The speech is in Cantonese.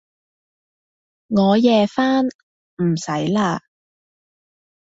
我夜返，唔使喇